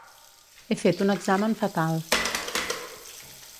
He fet un examen fatal.